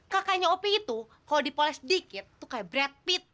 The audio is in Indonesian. kakaknya op itu kalo dipoles dikit tuh kayak brad pitt